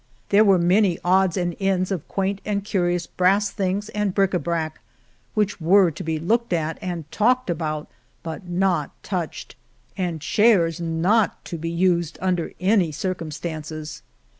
There were many odds and ends of quaint and curious brass things and bric ^ brac, which were to be looked at and talked about but not touched^ and chairs not to be used under any circumstances.